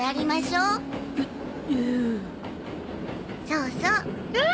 そうそう。